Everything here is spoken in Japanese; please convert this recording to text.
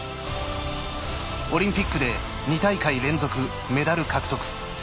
オリンピックで２大会連続メダル獲得。